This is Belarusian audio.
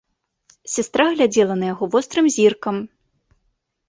Сястра глядзела на яго вострым зіркам.